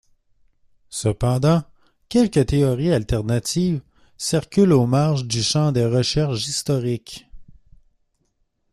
Cependant, quelques théories alternatives circulent aux marges du champ des recherches historiques.